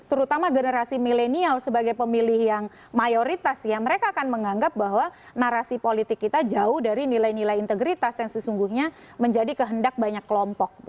karena generasi milenial sebagai pemilih yang mayoritas ya mereka akan menganggap bahwa narasi politik kita jauh dari nilai nilai integritas yang sesungguhnya menjadi kehendak banyak kelompok